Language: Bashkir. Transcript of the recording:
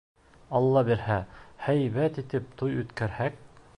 Алла бирһә, һәйбәт итеп туй үткәрһәк...